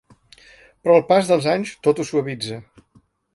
Però el pas dels anys tot ho suavitza.